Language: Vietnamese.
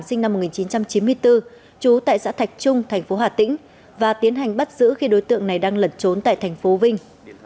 sinh năm một nghìn chín trăm chín mươi bốn trú tại xã thạch trung thành phố hà tĩnh và tiến hành bắt giữ khi đối tượng này đang lẩn trốn tại thành phố vinh